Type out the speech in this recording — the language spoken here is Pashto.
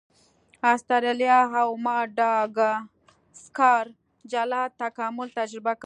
استرالیا او ماداګاسکار جلا تکامل تجربه کړ.